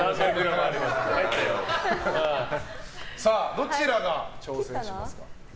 どちらが挑戦しますか？